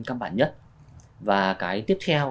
căng bản nhất và cái tiếp theo